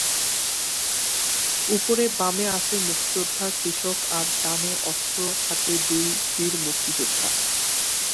উপরে বামে আছে মুক্তিযোদ্ধা কৃষক আর ডানে অস্ত্র হাতে দুই বীর মুক্তিযোদ্ধা।